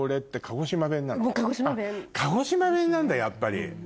鹿児島弁なんだやっぱり。